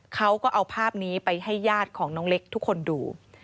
เขาก็เอาภาพนี้ไปให้ญาติของน้องเล็กทุกคนดู